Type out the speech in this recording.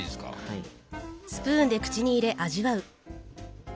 はい。